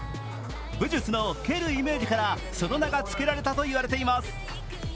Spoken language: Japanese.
武術の蹴るイメージからその名がつけられたと言われています。